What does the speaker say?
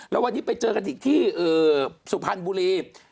แล้ววันนี้ไปเจอกันอีกที่สุพรรณบุรี